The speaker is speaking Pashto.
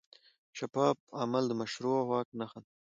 شفاف عمل د مشروع واک نښه ده.